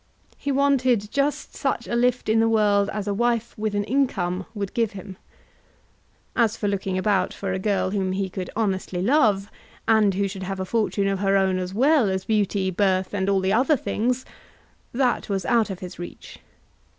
He wanted just such a lift in the world as a wife with an income would give him. As for looking about for a girl whom he could honestly love, and who should have a fortune of her own as well as beauty, birth, and all the other things, that was out of his reach.